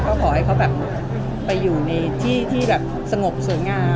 ก็ขอให้เขาไปอยู่ในที่สงบสวยงาม